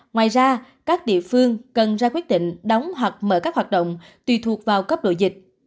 ngoài ra các địa phương cần ra quyết định đóng hoặc mở các hoạt động tùy thuộc vào cấp độ dịch